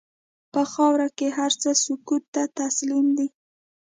په خاوره کې هر څه سکوت ته تسلیم دي.